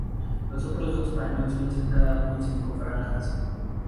Los otros dos paños lucen cada uno cinco franjas.